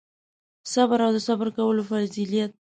صبر او د صبر کولو فضیلت